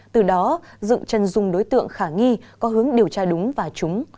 từ đó dựng chân dung đối tượng khả nghi có hướng điều tra đúng và trúng